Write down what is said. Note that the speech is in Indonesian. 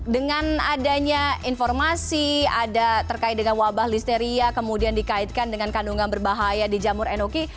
dengan adanya informasi ada terkait dengan wabah listeria kemudian dikaitkan dengan kandungan berbahaya di jamur enoki